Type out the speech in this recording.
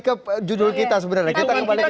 ke judul kita sebenarnya kita kembali ke